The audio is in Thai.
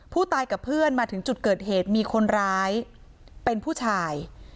กับเพื่อนมาถึงจุดเกิดเหตุมีคนร้ายเป็นผู้ชาย